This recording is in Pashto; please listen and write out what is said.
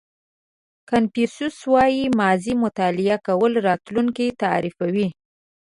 کانفیوسیس وایي ماضي مطالعه کول راتلونکی تعریفوي.